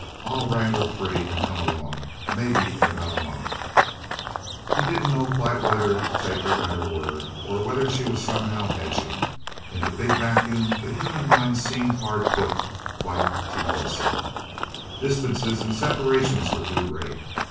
I'll wrangle free and come along... Maybe in about a month..." He didn't know quite whether to take her at her word or whether she was somehow hedging. In the Big Vacuum, the human mind seemed hard put, quite, to know itself. Distances and separations were too great.